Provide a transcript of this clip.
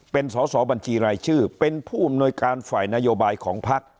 เป็นสอสอบัญชีรายชื่อเป็นผู้อำนวยการฝ่ายนโยบายของพัก